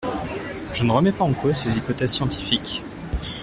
Je ne remets pas en cause ses hypothèses scientifiques.